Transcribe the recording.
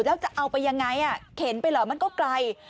แล้วจะเอาไปยังไงเข็นไปเหรอมันก็ไกล